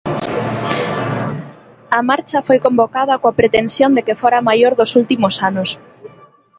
A marcha foi convocada coa pretensión de que fora a maior dos últimos anos.